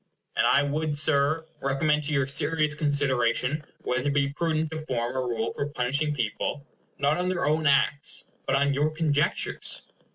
And I would, Sir, recommend to your serious consideration whether it be prudent to form a rule for punishing people, not on their own acts, but on your conjectures?